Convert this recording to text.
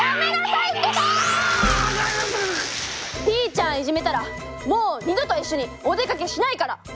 ピーちゃんいじめたらもうにどといっしょにおでかけしないから！